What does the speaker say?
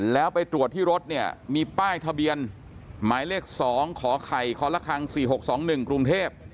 แล้วไปตรวจที่รถเนี่ยมีป้ายทะเบียนหมายเลข๒ขอไข่คละคร๔๖๒๑กรุงเทพ